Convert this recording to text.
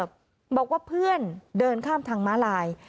บอกว่าเพื่อนเดินข้ามทางม้าลาย